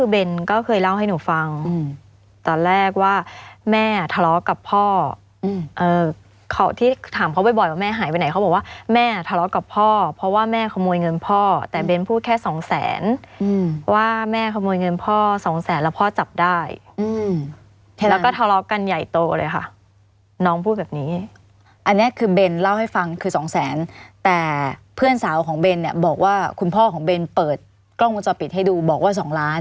เป็นก็เคยเล่าให้หนูฟังตอนแรกว่าแม่ทะเลาะกับพ่อเขาที่ถามเขาบ่อยแม่หายไปไหนเขาบอกว่าแม่ทะเลาะกับพ่อเพราะว่าแม่ขโมยเงินพ่อแต่เป็นพูดแค่สองแสนว่าแม่ขโมยเงินพ่อสองแสนแล้วพ่อจับได้แล้วก็ทะเลาะกันใหญ่โตเลยค่ะน้องพูดแบบนี้อันนี้คือเบนเล่าให้ฟังคือสองแสนแต่เพื่อนสาวของเบน